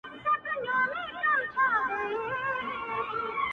له دې نه مخكي چي ته ما پرېږدې;